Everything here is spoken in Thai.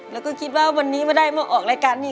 แล้วก็คิดว่าวันนี้ไม่ได้มาออกรายการนี้